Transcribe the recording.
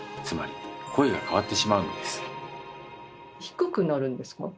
つまり声が変わってしまうのです。